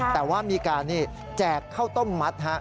แต่ว่ามีการแจกข้าวต้มมัด